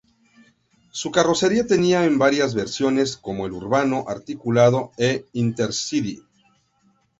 Su carrocería tenía en varias versiones, como el urbano, articulado e intercity.